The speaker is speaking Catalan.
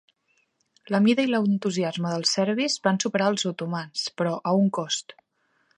La mida i l'entusiasme dels serbis van superar els otomans, però a un cost.